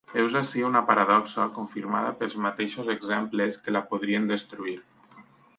Heus ací una paradoxa confirmada pels mateixos exemples que la podrien destruir.